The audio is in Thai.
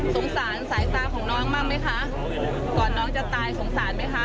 สงสารสายตาของน้องบ้างไหมคะก่อนน้องจะตายสงสารไหมคะ